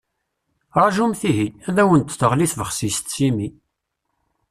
Rajumt ihi, ad awent-d-teɣli tbexsist s imi.